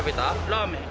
ラーメン。